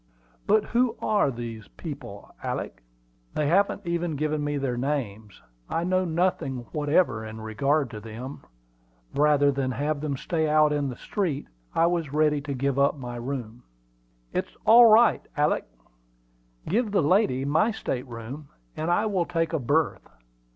"But who are these people, Alick?" "They haven't even given me their names; I know nothing whatever in regard to them. Rather than have them stay out in the street, I was ready to give up my room." "It's all right, Alick. Give the lady my state room, and I will take a berth.